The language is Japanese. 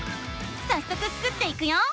さっそくスクっていくよ。